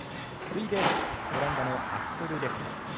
次いでオランダのアクトルレクト。